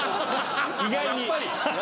意外に。